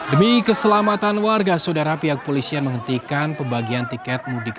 demi keselamatan warga saudara pihak polisian menghentikan pembagian tiket mudik